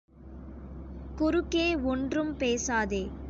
குறுக்கே ஒன்றும் பேசாதே!